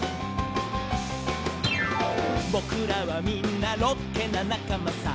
「ぼくらはみんなロッケななかまさ」